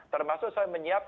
termasuk saya menyiapkan